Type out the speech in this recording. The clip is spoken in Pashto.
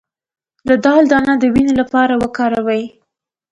د دال دانه د وینې لپاره وکاروئ